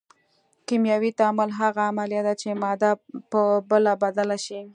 کیمیاوي تعامل هغه عملیه ده چې ماده په بله بدله شي.